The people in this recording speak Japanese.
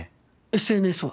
ＳＮＳは？